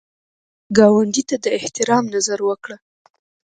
ګاونډي ته د احترام نظر وکړه